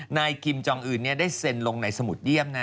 นายคิมจองอื่นได้เซ็นลงในสมุดเยี่ยมนะ